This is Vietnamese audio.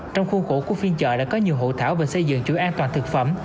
trong khuôn khổ của phiên chợ đã có nhiều hộ thảo về xây dựng chuỗi an toàn thực phẩm